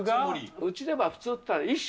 うちでは普通っていったら１升。